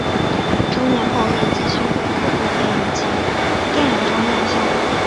成年后也继续在多部电视及电影中亮相。